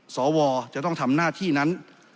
สวจะต้องทำหน้าที่นั้น